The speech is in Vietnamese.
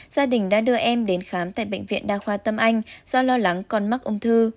gia đình đã đưa em đến khám tại bệnh viện đa khoa tâm anh do lo lắng còn mắc ung thư